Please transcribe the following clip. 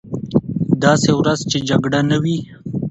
داسې ورځ چې جګړه نه وي.